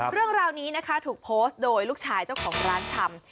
เรื่องราวนี้นะคะถูกโพสต์โดยลูกชายเจ้าของร้านชำ